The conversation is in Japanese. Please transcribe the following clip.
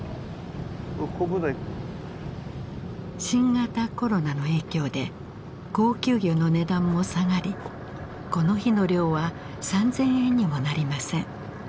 新型コロナの影響で高級魚の値段も下がりこの日の漁は３，０００円にもなりません。